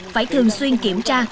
phải thường xuyên kiểm tra